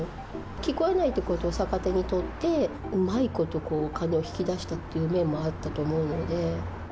聞こえないってことを逆手にとって、うまいこと金を引き出したっていう面もあったと思うので。